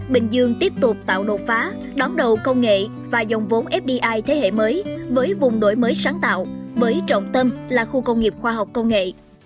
bình dương tiếp tục tạo đột phá đón đầu công nghệ và dòng vốn fdi thế hệ mới với vùng đổi mới sáng tạo với trọng tâm là khu công nghiệp khoa học công nghệ